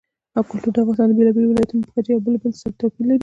کلتور د افغانستان د بېلابېلو ولایاتو په کچه یو له بل سره توپیر لري.